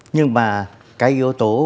nhưng mà cái yếu tố